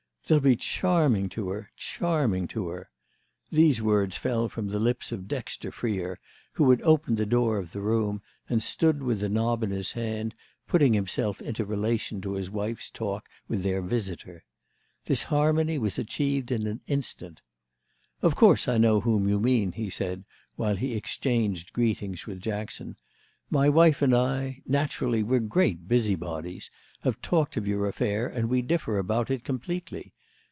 "They'll be charming to her—charming to her!" These words fell from the lips of Dexter Freer, who had opened the door of the room and stood with the knob in his hand, putting himself into relation to his wife's talk with their visitor. This harmony was achieved in an instant. "Of course I know whom you mean," he said while he exchanged greetings with Jackson. "My wife and I—naturally we're great busybodies—have talked of your affair and we differ about it completely.